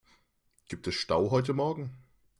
Gibt es Stau heute morgen?